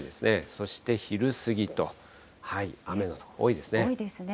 そして昼過ぎと、雨の所、多いですね。